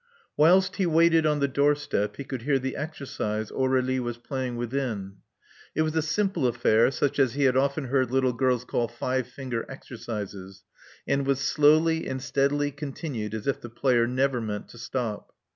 Whilst he waited on the doorstep, he could hear the exercise Aur^lie was playing within. It was a simple affair, such as he had often heard little girls call five finger" exercises; and was slowly and steadily con tinued as if the player never meant to stop.